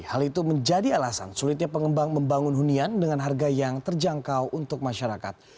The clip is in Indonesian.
hal itu menjadi alasan sulitnya pengembang membangun hunian dengan harga yang terjangkau untuk masyarakat